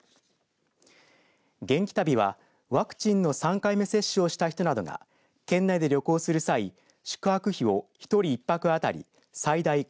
元気旅は、ワクチンの３回目接種をした人などが県内で旅行する際、宿泊費を１人１泊当たり最大５０００円